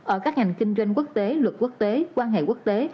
ở các ngành kinh doanh quốc tế luật quốc tế quan hệ quốc tế